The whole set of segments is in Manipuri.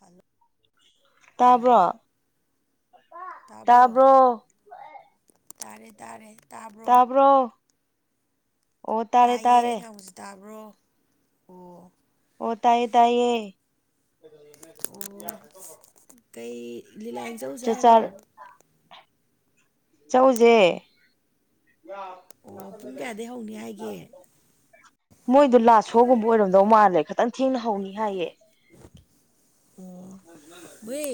ꯍꯂꯣ ꯍꯂꯣ ꯇꯥꯕ꯭ꯔꯣ ꯇꯥꯔꯦ ꯇꯥꯔꯦ ꯇꯥꯄꯣ ꯇꯥꯏꯌꯦ ꯑꯩ ꯉꯕꯁꯨ ꯇꯥꯕ꯭ꯔꯣ ꯑꯣ ꯑꯣ ꯇꯌꯦ ꯇꯌꯦ ꯑꯣ ꯀꯩ ꯂꯤꯂꯥ ꯌꯦꯡꯖꯧꯁꯦ ꯍꯥꯏꯔꯣ ꯆꯧꯁꯦ ꯃꯣꯏꯗꯣ ꯂꯥ ꯁꯣꯒꯨꯝꯕ ꯑꯣꯏꯔꯝꯗꯧ ꯃꯥꯜꯂꯦ ꯈꯤꯇꯪ ꯊꯦꯡꯅ ꯍꯧꯅꯤ ꯍꯥꯏꯌꯦ ꯑꯣ ꯃꯣꯏ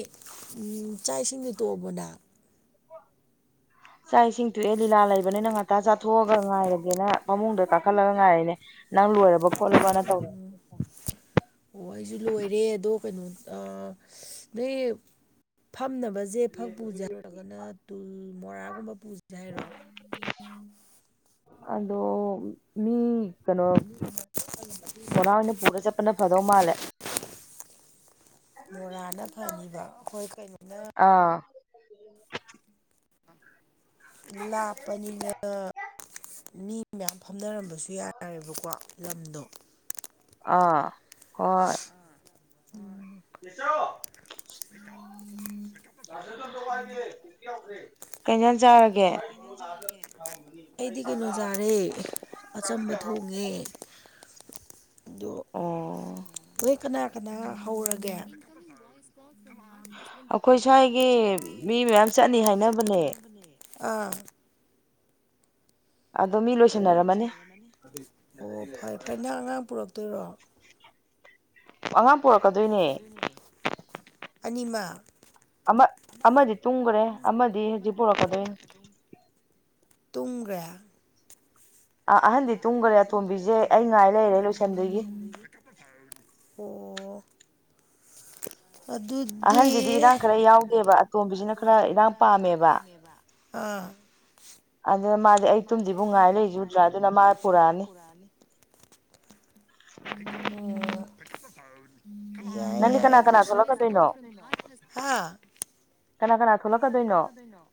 ꯆꯥꯛ ꯏꯁꯤꯡꯗꯨ ꯇꯣꯛꯑꯕꯅ ꯆꯥꯛ ꯏꯁꯤꯡ ꯇꯨꯑꯦ ꯂꯤꯂꯥ ꯂꯩꯕꯅꯤꯅ ꯉꯥꯛꯇꯥ ꯆꯥꯊꯣꯛꯑꯒ ꯉꯥꯏꯔꯒꯦꯅ ꯐꯃꯨꯡꯗ ꯀꯥꯈꯠꯂꯒ ꯉꯥꯏꯔꯅꯦ ꯅꯪ ꯂꯣꯏꯔꯕ ꯎꯝ ꯑꯣ ꯑꯩꯁꯨ ꯂꯣꯏꯔꯦ ꯑꯗꯣ ꯀꯩꯅꯣ ꯅꯣꯏ ꯐꯝꯅꯕꯁꯦ ꯐꯛ ꯄꯨꯁꯦ ꯍꯥꯏꯔꯔꯒꯅ ꯇꯨꯜ ꯃꯣꯔꯥꯒꯨꯝꯕ ꯄꯨꯁ ꯍꯥꯏꯔꯣ ꯑꯗꯣ ꯃꯤ ꯀꯩꯅꯣ ꯕꯣꯔꯥ ꯑꯣꯏꯅ ꯄꯨꯔꯒ ꯆꯠꯄꯅ ꯐꯗꯧ ꯃꯥꯜꯂꯦ ꯃꯣꯔꯥꯅ ꯐꯅꯤꯕ ꯑꯩꯈꯣꯏ ꯀꯩꯅꯣꯅ ꯑꯥ ꯂꯥꯄꯅꯤꯅ ꯃꯤ ꯃꯌꯥꯝ ꯐꯝꯅꯔꯝꯕꯁꯨ ꯌꯥꯔꯦꯕꯀꯣ ꯂꯝꯗꯣ ꯑꯥ ꯍꯣꯏ ꯌꯦꯁꯣ ꯎꯝ ꯀꯩꯅꯩꯅꯅ ꯆꯔ ꯦ ꯑꯩꯗꯤ ꯀꯩꯅꯣ ꯆꯥꯔꯦ ꯑꯆꯝꯕ ꯊꯣꯡꯉꯦ ꯑꯣ ꯅꯣꯏ ꯀꯅꯥ ꯀꯅꯥ ꯍꯧꯔꯒꯦ [inaudible] ꯑꯩꯈꯣꯏ ꯁ꯭ꯋꯥꯏꯒꯤ ꯃꯤ ꯃꯌꯥꯝ ꯆꯠꯅꯤ ꯍꯥꯏꯅꯕꯅꯦ ꯑꯥ ꯑꯣ ꯐꯔ ꯐꯔꯦ ꯅꯪ ꯑꯉꯥꯡ ꯄꯨꯔꯛꯇꯣꯏꯔꯣ ꯉ ꯄꯨꯔꯛꯀꯗꯣꯏꯅꯦ ꯑꯅꯤꯃ ꯑꯃ ꯑꯃꯗꯤ ꯇꯨꯡꯈ꯭ꯔꯦ ꯑꯃꯗꯤ ꯍꯧꯖꯤꯛ ꯄꯨꯔꯛꯀꯗꯣꯏꯅꯤ ꯇꯨꯡꯈ꯭ꯔꯦ ꯑꯥ ꯑꯍꯟꯗꯤ ꯇꯨꯡꯈꯔꯦ ꯑꯇꯣꯝꯕꯤꯁꯦ ꯑꯩ ꯉꯥꯏ ꯂꯩꯔꯦ ꯂꯣꯏꯁꯟꯗꯒꯤ ꯑꯣ ꯑꯗꯨꯗꯤ ꯏꯔꯥꯡ ꯈꯔ ꯌꯥꯎꯒꯦꯕ ꯑꯇꯣꯝꯕꯤꯁꯤꯅ ꯈꯔ ꯏꯔꯥꯡ ꯄꯥꯝꯃꯦꯕ ꯑꯥ ꯑꯗꯨꯅ ꯃꯥꯗꯤ ꯑꯩ ꯇꯨꯝꯁꯤꯕꯨ ꯉꯥꯏ ꯂꯩꯖꯨꯗ꯭ꯔꯥ ꯑꯗꯨꯅ ꯃꯥ ꯄꯨꯔꯛꯑꯅꯤ [inaudible] ꯌꯥꯏ ꯌꯥꯏꯁ ꯍꯥꯥ ꯀꯅꯥ ꯀꯅꯥ ꯊꯣꯛꯂꯛꯀꯗꯣꯏꯅꯣ ꯊꯣꯏꯩꯅꯣ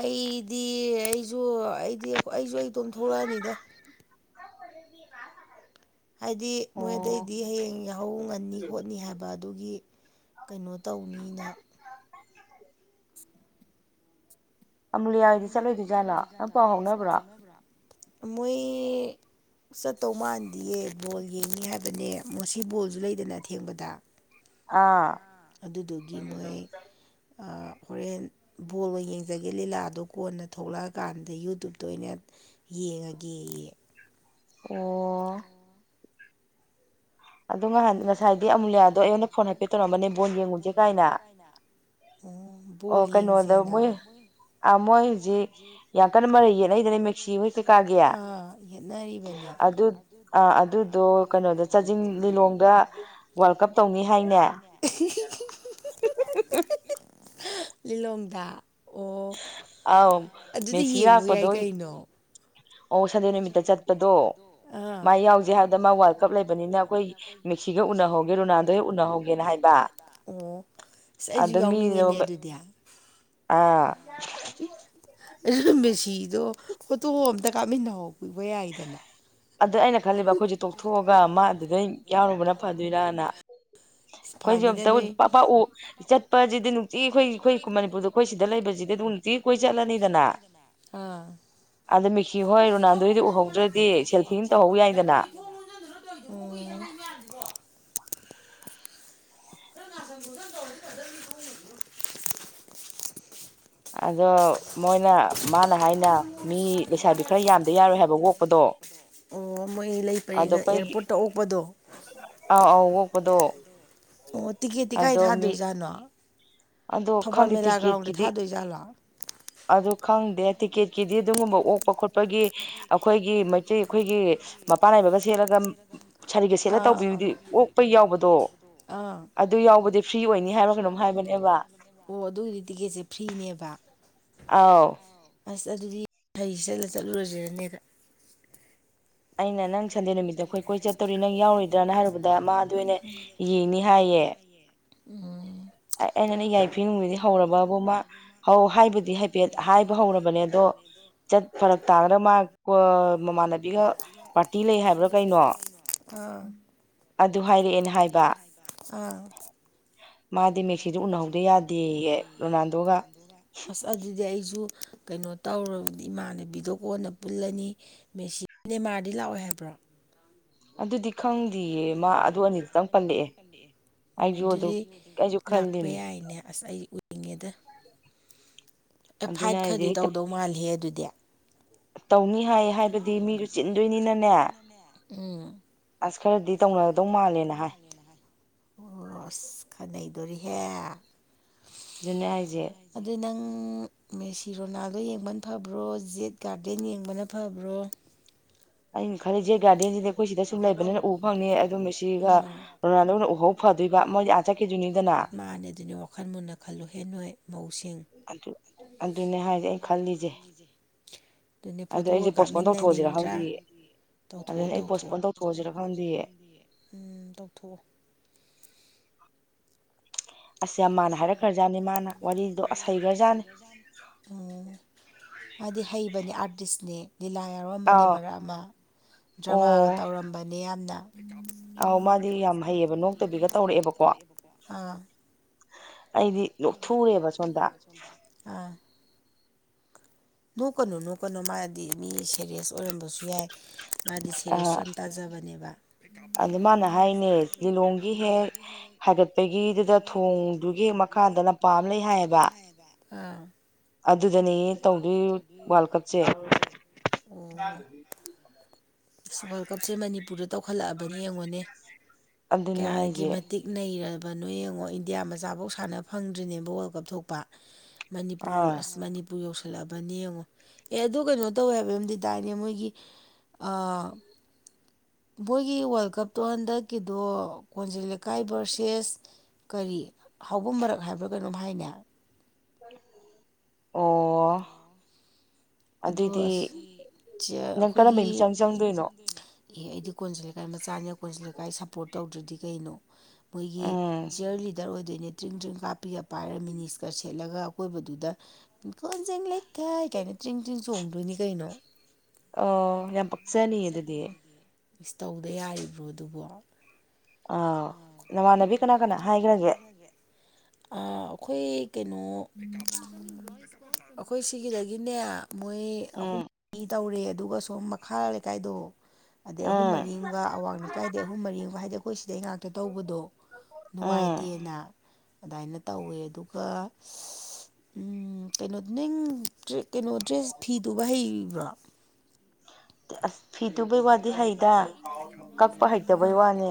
ꯑꯩꯗꯤ ꯑꯩꯁꯨ ꯑꯩꯗꯤ ꯑꯩꯁꯨ ꯑꯩꯇꯣꯝ ꯊꯣꯛꯂꯛꯑꯅꯤꯗ [inaudible] ꯍꯥꯏꯗꯤ ꯃꯣꯏꯑꯗꯩꯗꯤ ꯍꯌꯦꯡ ꯌꯥꯍꯧ ꯉꯟꯅꯤ ꯈꯣꯠꯅꯤ ꯍꯥꯏꯕ ꯑꯗꯨꯒꯤ ꯀꯩꯅꯣ ꯇꯧꯅꯤꯅ ꯑꯨꯂꯤꯂꯤꯌꯥꯒꯤꯗꯤ ꯆꯠꯂꯣꯏꯗꯣꯏꯖꯥꯠꯅꯣ ꯅꯪ ꯄꯥꯎ ꯍꯧꯥꯎꯅꯕ꯭ꯔꯥ ꯃꯣꯏ ꯆꯠꯇꯧ ꯃꯥꯟꯗꯤꯌꯦ ꯕꯣꯜ ꯌꯦꯡꯅꯤ ꯍꯥꯏꯕꯅꯦ ꯁꯤ ꯕꯣꯜꯁꯨ ꯂꯩꯗꯅ ꯊꯦꯡꯕꯗ ꯑꯥ ꯑꯗꯨꯗꯨꯒꯤ ꯃꯣꯏ ꯑ ꯍꯣꯔꯦꯟ ꯕꯣꯜ ꯑꯣꯏ ꯌꯦꯡꯖꯒꯦ ꯂꯤꯂꯥꯗꯣ ꯀꯣꯟꯅ ꯊꯣꯛꯂꯛꯑꯀꯥꯟꯗ ꯌꯨꯇꯨꯨꯞꯇ ꯑꯣꯏꯅ ꯌꯦꯉꯒꯦꯌꯦ ꯑꯣ ꯑꯗꯣ ꯉꯥꯍꯥꯟ ꯉꯁꯥꯏꯗꯤ ꯑꯃꯨꯂꯤꯌꯥꯗꯣ ꯑꯩꯉꯣꯟꯗ ꯐꯣꯟ ꯍꯥꯏꯐꯦꯠ ꯇꯧꯔꯝꯕꯅꯦ ꯕꯣꯟ ꯌꯦꯡꯉꯨꯖꯦ ꯀꯥꯏꯅ ꯑꯣ ꯕꯣꯜ ꯌꯦꯡꯖꯦꯅ ꯑ ꯃꯣꯏ ꯍꯧꯖꯤꯛ ꯌꯥꯝꯀꯟꯅ ꯃꯔꯩ ꯌꯦꯅꯩꯗꯅ ꯃꯦꯛꯁꯤ ꯍꯣꯏ ꯀꯩꯀꯥ ꯑꯥ ꯌꯦꯠꯅꯔꯤꯕꯅꯦ ꯑꯗꯨ ꯑ ꯑꯗꯨꯗꯣ ꯀꯩꯅꯣꯗꯣ ꯆꯥꯖꯤꯡ ꯂꯤꯂꯣꯡ ꯂꯤꯂꯣꯡꯗ ꯋꯥꯔꯗ ꯀꯞ ꯇꯧꯅꯤ ꯍꯥꯏꯅꯦ ꯂꯤꯂꯣꯡꯗ ꯑꯥꯎ ꯃꯦꯁꯤ ꯂꯥꯛꯄꯗꯣꯏ ꯑꯣ ꯁꯟꯗꯦ ꯅꯨꯃꯤꯠꯇ ꯆꯠꯄꯗꯣ ꯃꯥ ꯌꯥꯎꯖꯦ ꯍꯥꯏꯕꯗ ꯃꯥ ꯋꯥꯔꯜꯗ ꯀꯞ ꯂꯩꯕꯅꯤꯅ ꯑꯩꯈꯣꯏ ꯃꯦꯛꯁꯤꯒ ꯎꯅꯍꯧꯒꯦ ꯔꯣꯅꯥꯜꯗꯣ ꯍꯣꯏ ꯎꯅꯍꯧꯒꯦꯅ ꯍꯥꯏꯕ ꯑꯗꯣ ꯃꯤꯗꯨ ꯃꯣꯏ ꯑꯥ ꯃꯦꯁꯤꯗꯣ ꯐꯣꯇꯣ ꯑꯝꯇ ꯀꯥꯞꯃꯤꯟꯅꯍꯧꯕ ꯌꯥꯏꯗꯅ ꯑꯗ ꯑꯩꯅ ꯈꯜꯂꯤꯕ ꯑꯩꯈꯣꯏꯖꯦ ꯇꯣꯛꯊꯣꯛꯑꯒ ꯃꯥꯗꯨꯗꯩ ꯌꯥꯎꯔꯨꯕꯅ ꯐꯗꯣꯏꯔꯥꯅ ꯑꯩꯈꯣꯏꯁꯨ ꯑꯝꯇ ꯎꯠ ꯄ ꯄꯥꯛꯎ ꯆꯠꯄꯖꯤꯗꯤ ꯅꯨꯡꯇꯤꯒꯤ ꯑꯩꯈꯣꯏ ꯑꯩꯈꯣꯏ ꯃꯅꯤꯄꯨꯔꯗ ꯑꯩꯈꯣꯏ ꯁꯤꯗ ꯂꯩꯕꯖꯤꯗꯤ ꯑꯗꯨꯝ ꯁꯤꯗꯤ ꯅꯨꯡꯇꯤꯒꯤ ꯀꯣꯢ ꯆꯠꯂꯅꯤꯗꯅ ꯑꯥ ꯑꯗ ꯃꯦꯁꯤ ꯍꯣꯏ ꯔꯣꯅꯥꯜꯗꯣ ꯍꯣꯏꯗꯤ ꯎꯍꯧꯗ꯭ꯔꯗꯤ ꯁꯦꯜ [inaudible] ꯈꯔ ꯉꯥꯁꯟ ꯈꯣꯠꯆꯟ ꯇꯧꯔꯗꯤ ꯐꯗꯝꯅꯤ ꯊꯣꯡꯉꯖꯤꯒ ꯑꯗꯣ ꯃꯣꯏꯅ ꯃꯥꯅ ꯍꯥꯏꯅ ꯃꯤ ꯂꯩꯁꯥꯕꯤ ꯈꯔ ꯌꯥꯝꯗ ꯌꯥꯔꯣꯏ ꯍꯥꯏꯕ ꯑꯣꯛꯄꯗꯣ ꯑꯣ ꯃꯣꯏ ꯂꯩ ꯄꯔꯦꯡꯒ ꯑꯦꯌꯥꯔꯄꯣꯔꯠꯇ ꯑꯣꯛꯄꯗꯣ ꯑ ꯑꯥꯎ ꯑꯣꯛꯄꯗꯣ ꯑꯣ ꯇꯤꯀꯦꯠ ꯇꯤ ꯀꯥꯏ ꯊꯥꯗꯣꯏꯖꯥꯠꯅꯣ ꯑꯗꯣ ꯈꯪꯗꯦ ꯇꯤꯀꯦꯠ ꯀꯤꯗꯤ ꯑꯗꯨ ꯈꯪꯗꯦ ꯇꯤꯀꯦꯠꯀꯤꯗꯤ ꯑꯗꯨꯒꯨꯝꯕ ꯑꯣꯛꯄ ꯈꯣꯠꯄꯒꯤ ꯑꯈꯣꯏꯒꯤ ꯆꯦ ꯑꯩꯈꯣꯏꯒꯤ ꯃꯄꯥꯟ ꯅꯥꯏꯕꯒ ꯁꯦꯠꯂꯒ ꯁꯥꯔꯤꯒ ꯁꯦꯠꯂ ꯇꯧꯕꯤꯕꯗꯤ ꯑꯣꯛꯄ ꯌꯥꯎꯕꯗꯣ ꯑꯥ ꯑꯗꯨ ꯌꯥꯎꯕꯗꯤ ꯐ꯭ꯔꯤ ꯑꯣꯏꯅꯤ ꯍꯥꯏꯕ ꯋꯥ ꯑꯣ ꯑꯗꯨꯒꯤꯗꯤ ꯇꯤꯛꯀꯦꯠꯁꯦ ꯐ꯭ꯔꯤꯅꯦꯕ ꯑꯥꯎ ꯑꯁ ꯑꯗꯨꯗꯤ ꯁꯔꯤ ꯁꯦꯠꯂ ꯆꯠꯂꯨꯔꯖꯤꯔꯅꯦꯗ ꯑꯩꯅ ꯅꯪ ꯁꯟꯗꯦ ꯅꯨꯃꯤꯠꯇ ꯑꯩꯈꯣꯏ ꯀꯣꯏ ꯆꯠꯇꯣꯔꯤ ꯅꯪ ꯌꯥꯎꯔꯣꯏꯗ꯭ꯔꯥꯅ ꯍꯥꯏꯔꯨꯕꯗ ꯃꯥ ꯑꯗꯨ ꯑꯣꯏꯅ ꯌꯦꯡꯅꯤ ꯍꯥꯏꯌꯦ ꯎꯝ ꯑꯩꯅꯅꯦ ꯌꯥꯏꯐꯤꯅꯨꯡꯕꯤꯗꯤ ꯍꯧꯔꯕꯕꯨ ꯃꯥ ꯍꯧ ꯍꯥꯏꯕꯨꯗꯤ ꯍꯥꯏꯐꯦꯠ ꯍꯥꯏꯕ ꯍꯧꯔꯕꯅꯦ ꯑꯗꯣ ꯆꯠ ꯐꯔꯛ ꯇꯥꯒꯗꯔ ꯃꯥ ꯀꯣ ꯃꯃꯥꯟꯅꯕꯤꯒ ꯄꯥꯔ [inaudible] ꯑꯥ ꯑꯗꯨ ꯍꯥꯏꯔꯑꯦꯅ ꯍꯥꯏꯕ ꯑꯥ ꯃꯥꯗꯤ ꯃꯦꯛꯁꯤꯗꯨ ꯎꯅꯍꯧꯗ ꯌꯥꯗꯦ ꯔꯣꯅꯥꯜꯗꯣꯒ ꯑꯁ ꯑꯗꯨꯗꯤ ꯑꯩꯁꯨ ꯀꯩꯅꯣ ꯇꯧꯔꯕꯗꯤ ꯏꯃꯥꯅ ꯚꯤꯗꯤꯑꯣ ꯀꯣꯟꯅ ꯄꯨꯜꯂꯅꯤ ꯃꯦꯁꯤ ꯃꯦꯟꯃꯥꯔꯗꯤ ꯂꯥꯛꯑꯣꯏ ꯍꯥꯏꯕ꯭ꯔꯣ ꯑꯗꯨꯗꯤ ꯈꯪꯗꯦꯌꯦ ꯃꯥ ꯑꯗꯨ ꯑꯅꯤ ꯈꯤꯛꯇꯪ ꯄꯟꯂꯛꯑꯦ ꯑꯣ ꯑꯗꯨꯗꯤ ꯂꯥꯛꯄ ꯌꯥꯏꯅꯦ ꯑꯁ ꯑꯩ ꯎꯔꯤꯉꯦꯗ ꯑꯦ ꯐꯥꯏꯠ ꯈꯔꯗꯤ ꯇꯧꯗꯧ ꯃꯥꯜꯂꯍꯦ ꯑꯗꯨꯗꯤ ꯇꯪꯅꯤ ꯍꯥꯏ ꯍꯥꯏꯕꯗꯤ ꯃꯤꯗꯨ ꯆꯤꯟꯗꯣꯏꯅꯤꯅꯅꯦ ꯑꯁ ꯈꯔꯗꯤ ꯇꯧꯅꯒꯗꯧ ꯃꯥꯜꯂꯦꯅ ꯍꯥꯏ ꯑꯣꯁ ꯈ ꯅꯩꯗꯣꯔꯤꯍꯦ ꯑꯗꯨ ꯅꯪ ꯃꯦꯁꯤ ꯔꯣꯅꯥꯜꯗꯣ ꯌꯦꯡꯕꯅ ꯐꯕ꯭ꯔꯣ ꯖꯦꯠ ꯒꯥꯔꯗꯦꯟ ꯌꯦꯡꯕꯅ ꯐꯕ꯭ꯔꯣ ꯑꯩꯅ ꯈꯜꯂꯤ ꯖꯦꯠ ꯒꯥꯔꯗꯦꯟꯖꯤꯗꯤ ꯑꯩꯈꯣꯏ ꯁꯤꯗ ꯁꯨꯝ ꯂꯩꯕꯅꯤꯅ ꯎꯕ ꯐꯪꯅꯤ ꯑꯗꯨ ꯃꯦꯁꯤꯒ ꯔꯣꯅꯥꯜꯗꯣꯒꯅ ꯎꯍꯧ [unintelligible] ꯃꯥꯟꯅꯦ ꯑꯗꯨꯅꯦ ꯋꯥꯈꯜ ꯃꯨꯟꯅ ꯈꯜꯂꯨ ꯍꯦ ꯅꯣꯏ ꯃꯧꯁꯤꯡ ꯑꯗꯨ ꯑꯗꯨꯅꯦ ꯍꯥꯏꯖꯦ ꯑꯩ ꯈꯜꯂꯤꯖꯦ ꯑꯗꯨꯅꯦ ꯐꯣꯇꯣꯒ ꯀꯥꯞꯃꯤꯟꯅꯅꯤꯡꯗ꯭ꯔꯥ ꯇꯧꯊꯣꯛꯑꯣ ꯇꯧꯊꯣꯛꯑꯣ [inaudible] ꯎꯝ ꯇꯧꯊꯣꯛꯑꯣ ꯑꯁ ꯌꯥꯝꯃꯥꯡꯅ [inaudible] ꯋꯥꯔꯤꯗꯣ ꯑꯁꯍꯩꯔꯖꯅꯤ ꯎꯝ ꯃꯥꯗꯤ ꯍꯩꯕꯅꯦ ꯑꯥꯔꯇꯤꯁꯅꯦ ꯂꯤꯂꯥ ꯌꯥꯎꯔꯝꯕꯅꯤ ꯃꯔꯛ ꯑꯃ ꯗ꯭ꯔꯃꯥꯒ ꯇꯧꯔꯝꯕꯅꯤ ꯌꯥꯝꯅ ꯑꯎ ꯃꯥꯗꯤ ꯌꯥꯝ ꯍꯩꯌꯦꯕ ꯅꯣꯛꯇꯕꯤꯒ ꯇꯧꯔꯛꯑꯦꯕꯀꯣ ꯑꯩꯗꯤ ꯑꯩꯗꯤ ꯌꯣꯛꯊꯨꯌ‌ꯦꯕ ꯁꯣꯝꯗ ꯑ ꯅꯣꯛꯀꯅꯨ ꯅꯣꯛꯀꯥꯅꯨ ꯃꯥꯗꯤ ꯃꯤ ꯁꯦꯔꯤꯌꯁ ꯑꯣꯏꯔꯝꯕꯁꯨ ꯌꯥꯏ [inaudible] [inaudible] ꯑ ꯑꯗ ꯃꯥꯅ ꯍꯥꯏꯅꯦ ꯂꯤꯂꯣꯡꯒꯤ ꯍꯦꯛ ꯍꯥꯏꯒꯠꯄꯒꯤꯗꯨꯗ ꯊꯣꯡꯗꯨꯒꯤ ꯍꯦꯛ ꯃꯈꯥꯗ ꯂꯝꯄꯥꯥꯛ ꯑꯃꯥ ꯂꯩ ꯍꯥꯏꯌꯦꯕ ꯑꯥ ꯑꯗꯨꯗꯅ‌ꯦꯌꯦ ꯇꯧꯗꯣꯏ ꯋꯥꯔꯜ ꯀꯞꯁꯦ ꯏꯆ‌ꯦ ꯑꯝ ꯑꯁ ꯋꯥꯔꯜ ꯀꯞꯁꯦ ꯃꯅꯤꯄꯨꯔꯗ ꯇꯧꯈꯠꯂꯛꯑꯕꯅꯤ ꯌꯦꯡꯉꯣꯅꯦ ꯀꯌꯥꯗꯒꯤ ꯃꯇꯤꯛ ꯅꯩꯔꯕ ꯅꯣꯏ ꯌꯦꯡꯉꯣ ꯏꯟꯗꯤꯌꯥ ꯃꯆꯥꯐꯧ ꯁꯥꯟꯅꯕ ꯐꯪꯗ꯭ꯔꯤꯅꯦꯕ ꯋꯥꯔꯜ ꯀꯞ ꯊꯣꯛꯄ ꯃꯅꯤꯄꯨꯔ ꯑꯁ ꯃꯅꯤ ꯄꯨ ꯌꯧꯁꯜꯂꯛꯑꯕꯅꯦ ꯌꯦꯡꯉꯣ ꯑꯦ ꯑꯗꯨ ꯀꯩꯅꯣ ꯇꯧꯋꯦ ꯍꯥꯏꯕꯝꯗꯤꯇꯥꯏꯅꯦ ꯃꯣꯏꯒꯤ ꯑꯥ ꯃꯣꯏꯒꯤ ꯋꯥꯔꯜ ꯀꯞꯇꯣ ꯍꯟꯗꯛꯀꯤꯗꯣ ꯈꯣꯟꯖꯦꯜ ꯂꯩꯀꯥꯏ ꯚꯔꯁꯦꯁ ꯀꯔꯤ ꯍꯥꯎꯕꯝ ꯃꯔꯛ ꯍꯥꯏꯕ꯭ꯔꯥ ꯀꯩꯅꯣꯝ ꯍꯥꯏꯅꯦ ꯑꯣ ꯑꯗꯨ ꯑꯁ [inaudible] ꯆ‌ꯦ ꯑꯩꯈꯣꯏꯒꯤ [inaudible] ꯑꯦ ꯑꯩꯗꯤ ꯀꯣꯟꯁꯤꯜ ꯂꯩꯀꯥꯏ ꯃꯆꯥꯅꯤꯅ ꯀꯣꯟꯁꯤ ꯂꯩꯀꯥꯏ ꯁꯞꯄꯣꯔꯠ ꯇꯧꯗ꯭ꯔꯗꯤ ꯀꯩꯅꯣ ꯃꯣꯏꯒꯤ ꯆꯤꯌꯔ ꯂꯤꯗꯔ ꯑꯣꯏꯗꯣꯏꯅꯦ ꯗ꯭ꯔꯤꯡ ꯗ꯭ꯔꯤꯡ ꯀꯥꯞꯄꯤꯒ ꯄꯥꯏꯔ ꯃꯤꯅꯤꯁꯀꯔ ꯁꯦꯠꯂꯒ ꯑꯀꯣꯏꯕꯗꯨꯗ ꯀꯟꯖꯤꯡ ꯂꯩꯥꯏꯀꯥꯏꯒꯥꯏꯅ ꯇ꯭ꯔꯤꯡ ꯇ꯭ꯔꯤꯡ ꯆꯣꯡꯗꯣꯏꯅꯤ ꯀꯩꯅꯣ ꯑ ꯌꯥꯝ ꯄꯛꯆꯅꯤꯌꯦ ꯑꯗꯨꯗꯤ ꯃꯤꯁ ꯇꯧꯗ ꯌꯥꯔꯤꯕ꯭ꯔꯣ ꯑꯗꯨꯕꯣ ꯑꯥꯎ ꯅꯃꯥꯟꯅꯕꯤ ꯀꯅꯥ ꯀꯅꯥ ꯍꯥꯏꯈ꯭ꯔꯒꯦ ꯑꯥ ꯑꯩꯈꯣꯏ ꯀꯩꯅꯣ [inaudible] ꯑꯩꯈꯣꯏ ꯁꯤꯒꯤꯗꯒꯤꯅꯦ ꯃꯣꯏ ꯑꯍꯨꯝ ꯃꯔꯤ ꯇꯧꯔꯦ ꯑꯗꯨꯒ ꯁꯣ ꯃꯈꯥ ꯂꯩꯀꯥꯏꯗꯣ ꯑꯗꯩ ꯑꯍꯨꯝ ꯃꯔꯤꯡꯒ ꯑꯋꯥꯡ ꯂꯩꯀꯥꯏꯗ ꯑꯍꯨꯝ ꯃꯔꯤꯡꯒ ꯍꯥꯏꯗꯤ ꯑꯩꯈꯣꯏ ꯁꯤꯗꯩ ꯉꯥꯛꯇ ꯇ ꯇꯧꯕꯗꯣ ꯅꯨꯡꯉꯥꯏꯇꯦꯅ ꯑꯗꯥꯏꯅ ꯇꯧꯋꯦ ꯑꯗꯨꯒ [inaudible] ꯎꯝ ꯀꯩꯅꯣꯗ ꯅꯤꯡ [inaudible] ꯀꯩꯅꯣ ꯗ꯭ꯔꯦꯁ ꯐꯤ ꯇꯨꯕ ꯍꯩꯕ꯭ꯔ‌ꯣ ꯑꯁ ꯐꯤꯗꯨꯕꯩ ꯋꯥꯗꯤ [inaudible] ꯍꯩꯗ ꯀꯛꯄ ꯍꯩꯇꯕꯩ ꯋꯥꯅꯦ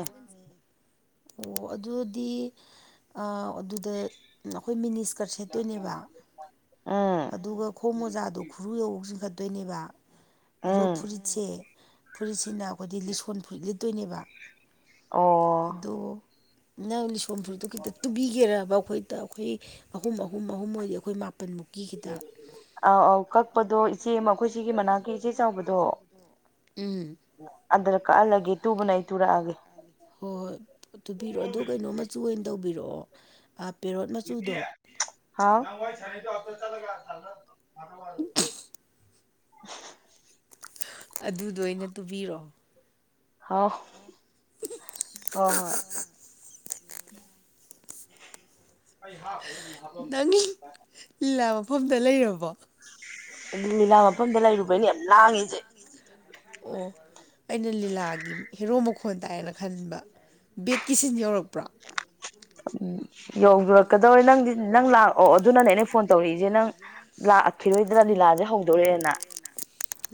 ꯑꯣ ꯑꯗꯨꯗꯤ ꯑꯗꯨꯗ ꯑꯩꯈꯣꯏ ꯃꯤꯅꯤ ꯁ꯭ꯀꯔꯠ ꯁꯦꯠꯇꯣꯏꯅꯦꯕ ꯑꯗꯨꯒ ꯈꯣꯝ ꯃꯣꯖꯥꯗꯨ ꯈꯨꯔꯨ ꯌꯧꯕꯛ ꯆꯤꯡꯈꯠꯇꯣꯏꯅꯦꯕ ꯑꯗꯣ ꯐꯨꯔꯤꯠꯁꯦ ꯐꯨꯔꯤꯠꯁꯤꯅ ꯑꯩꯈꯣꯏꯗꯤ ꯂꯤꯁꯣꯟ ꯐꯨꯔꯤꯠ ꯂꯤꯠꯇꯣꯏꯅꯦꯕ ꯑꯗꯣ ꯅꯪ ꯂꯤꯁꯣꯟꯝ ꯐꯨꯠꯇ ꯈꯤꯇ ꯇꯨꯕꯤꯒꯦꯔꯕ ꯑꯩꯈꯣꯏ ꯇ ꯑꯩꯈꯣꯏ ꯑꯍꯨꯝ ꯑꯍꯨꯝ ꯑꯍꯨꯝ ꯑꯣꯏꯔꯤ ꯑꯩꯈꯣꯏ ꯃꯥꯄꯟꯃꯨꯛꯛꯇ ꯑꯧ ꯑꯥꯎ ꯀꯛꯄꯗꯣ ꯏꯆꯦ ꯑꯃ ꯑꯩꯈꯣꯏ ꯁꯤꯒꯤ ꯃꯅꯥꯛꯀꯤ ꯏꯆꯦ ꯆꯥꯎꯕꯗꯣ ꯎꯝ ꯑꯗ꯭ꯔ [inaudible] ꯍꯣꯏ ꯍꯣꯏ ꯇꯨꯕꯤꯔꯑꯣ ꯑꯗꯨ ꯀꯩꯅꯣꯝꯃ ꯆꯨ ꯑꯣꯏꯅ ꯇꯧꯕꯤꯔꯛꯑꯣ ꯑꯥꯥ ꯄꯦꯔꯣꯠꯅ ꯃꯤꯃꯤ [inaudible] ꯍꯥꯎ ꯅꯪ ꯋꯥꯔꯤ ꯁꯥꯟꯅꯩꯗ‍ꯣ ꯑꯃꯇꯥ ꯆꯥꯠꯂꯒ [inaudible] ꯑꯗꯨꯗ ꯑꯣꯏꯅ ꯇꯨꯕꯤꯔꯑꯣ ꯑ ꯑꯣ ꯍꯣꯏ ꯑꯩ ꯍꯥ ꯀꯧ ꯅꯪ ꯂꯤꯂꯥ ꯃꯐꯝꯗ ꯂꯩꯔꯕꯣ ꯑꯗꯨ ꯂꯤꯂꯥ ꯃꯐꯝꯗ ꯂꯩꯔꯨꯕꯩꯩꯅ ꯌꯥꯝ ꯂꯥꯡꯉꯁꯦ ꯑꯣ ꯑꯩꯅ ꯂꯤꯂꯥꯒꯤ ꯍꯦꯔꯣ ꯃꯈꯣꯟ ꯇꯥꯏꯌꯦꯅ ꯈꯟꯕ ꯕꯦꯠꯀꯤ ꯁꯤꯟ ꯌꯧꯔꯛꯄ꯭ꯔꯣ [inaudible] ꯌꯧꯔꯛꯀꯗꯧꯔꯦ ꯅꯪꯗꯤ ꯅꯪ ꯂꯥꯛꯑꯣ ꯑꯗꯨꯅꯅꯦ ꯑꯩꯅ ꯐꯣꯟ ꯇꯧꯔꯛꯏꯁꯦ ꯅꯪ ꯈꯤꯔꯣꯏꯗꯅ ꯂꯤꯂꯥꯁꯦ ꯍꯧꯗꯣꯔꯦꯅ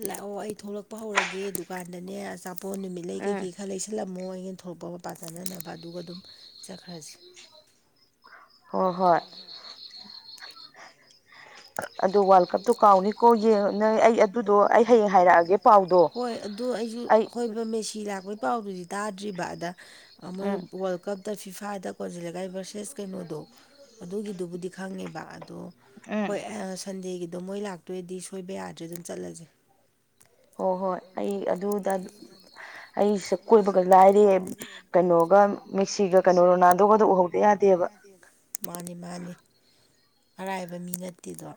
ꯂꯥꯛꯑꯣ ꯑꯩ ꯊꯣꯛꯂꯛꯄ ꯍꯧꯔꯒꯦ ꯗꯨꯀꯥꯟꯗꯅꯦ ꯑꯆꯥꯄꯣꯠ ꯅꯨꯃꯤꯠ ꯂꯩ ꯀꯩꯀꯩ ꯈꯔ ꯂꯩ ꯁꯦ ꯁꯤꯜꯂꯝꯃꯣ ꯌꯦꯟ ꯊꯣꯛꯂꯛꯄ ꯃ ꯄ ꯆꯥꯅꯅꯕ ꯑꯗꯨꯒ ꯑꯗꯨꯝ ꯆꯠꯈ꯭ꯔꯁꯤ [inaudible] [inaudible] ꯑꯗꯨ ꯋꯥꯔꯜ ꯀꯞꯇꯣ ꯀꯥꯎꯅꯤꯀꯣ ꯌꯦꯡ ꯅꯣꯏ ꯑꯩ ꯑꯗꯨꯗꯣ ꯑꯩ ꯍꯌꯦꯡ ꯍꯥꯏꯔꯛꯑꯒꯦ ꯄꯥꯎꯗꯣ ꯍꯣꯏ ꯑꯗꯨ ꯑꯩꯁꯨ ꯍꯣꯏ ꯍꯥꯏ ꯃꯦꯁꯤ ꯂꯥꯛꯄꯒꯤ ꯄꯥꯎꯗꯨꯗꯤ ꯇꯥꯗ꯭ꯔꯤꯕ ꯑꯗ ꯃꯣꯏ ꯋꯥꯔꯜ ꯀꯞ ꯇꯔꯐꯤꯐꯥꯗ ꯀꯣꯖꯤ ꯂꯩꯀꯥꯏ ꯚꯔꯁꯦꯁ ꯀꯩꯅꯣꯗꯣ ꯑꯗꯨꯒꯤꯗꯨꯕꯨꯗꯤ ꯈꯪꯉꯦꯕ ꯑꯗꯣ ꯍꯣꯏ ꯁꯟꯗꯦꯒꯤꯗꯣ ꯃꯣꯏ ꯂꯥꯛꯇꯣꯏꯔꯗꯤ ꯁꯣꯏꯕ ꯌꯥꯗ꯭ꯔꯦ ꯑꯗꯨꯝ ꯆꯠꯂꯁꯦ ꯍꯣꯏ ꯍꯣꯏ ꯑꯩ ꯑꯗꯨꯗ ꯑꯩꯁ ꯀꯣꯏꯕꯒ ꯂꯥꯏꯔꯦ ꯀꯩꯅꯣꯒ ꯃꯤꯛꯁꯤꯒ ꯀꯩꯅꯣ ꯔꯣꯅꯥꯜꯗꯣꯒꯗ ꯎꯍꯧꯗ ꯌꯥꯗꯦꯕ ꯃꯥꯅꯤ ꯃꯥꯅꯤ ꯑꯔꯥꯏꯕ ꯃꯤ ꯅꯠꯇꯦꯗꯣ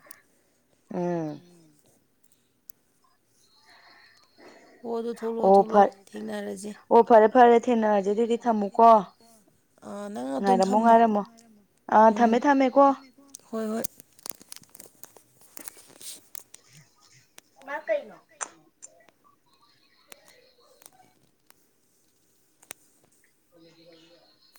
ꯎꯝ ꯑꯣ ꯑꯗꯨ ꯊꯂꯛꯑꯣ ꯊꯣꯛꯂꯛꯑꯣ ꯊꯦꯡꯅꯔꯁꯦ ꯑꯣ ꯐꯔꯦ ꯐꯔꯦ ꯊꯦꯡꯔ ꯊꯝꯃꯣꯀꯣ ꯑ ꯅꯪ ꯑꯗꯨꯝ ꯊꯝꯃꯣꯃꯣ ꯎꯝ ꯍꯣꯏ ꯍꯣꯏ ꯃꯥ ꯀꯩꯅꯣ [inaudible]